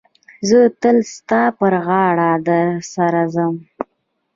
زه تل ستا پر غاړه در سره ځم.